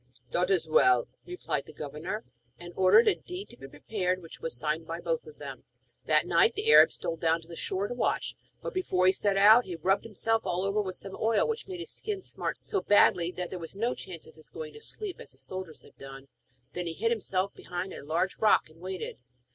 'It is well,' replied the governor; and ordered a deed to be prepared, which was signed by both of them. That night the Arab stole down to the shore to watch, but, before he set out, he rubbed himself all over with some oil which made his skin smart so badly that there was no chance of his going to sleep as the soldiers had done. Then he hid himself behind a large rock and waited.